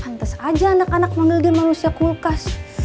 hantas aja anak anak manggil dia manusia kulkas